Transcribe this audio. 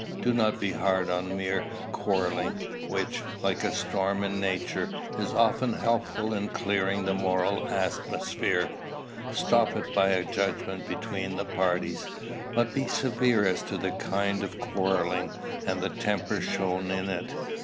Do not be hard on mere quarrelling, which, like a storm in nature, is often helpful in clearing the moral atmosphere. Stop it by a judgment between the parties. But be severe as to the kind of quarrelling, and the temper shown in it.